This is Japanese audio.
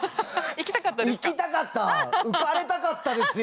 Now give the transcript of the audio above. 行きたかったですか？